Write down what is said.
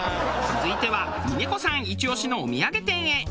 続いては峰子さんイチ押しのお土産店へ。